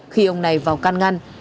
khi ông này vào can ngăn